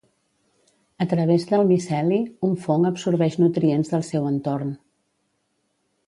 A través del miceli, un fong absorbeix nutrients del seu entorn.